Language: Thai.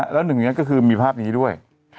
แล้วหนึ่งนี้ก็คือมีภาพนี้ด้วย